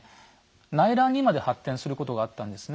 内乱にまで発展することがあったんですね。